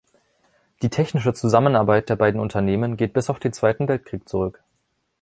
Die technische Zusammenarbeit der beiden Unternehmen geht bis auf den zweiten Weltkrieg zurück.